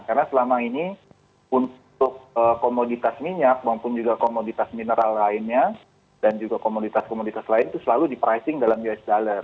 karena selama ini untuk komoditas minyak maupun juga komoditas mineral lainnya dan juga komoditas komoditas lain itu selalu di pricing dalam us dollar